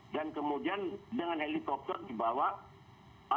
dan kemudian dengan helikopter dibawa